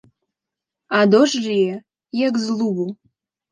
А дождж ліе, як з лубу.